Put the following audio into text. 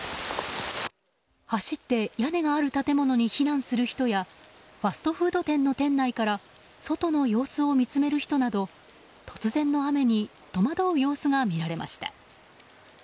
走って、屋根がある建物に避難する人やファストフード店の店内から外の様子を見つめる人など突然の雨に戸惑う様子が見られました。